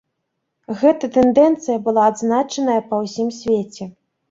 Гэтая тэндэнцыя была адзначаная па ўсім свеце.